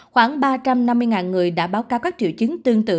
khoảng ba trăm năm mươi người đã báo cáo các triệu chứng tương tự